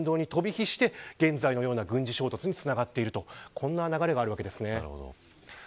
このような流れがあるわけですね。